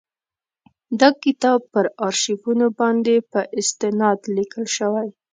دا کتاب پر آرشیفونو باندي په استناد لیکل شوی.